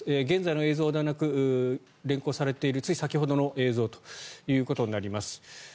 現在の映像ではなく連行されているつい先ほどの映像ということになります。